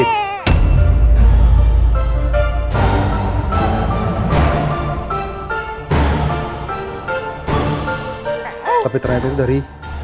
tapi ternyata itu dari